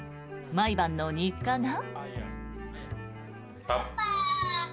毎晩の日課が。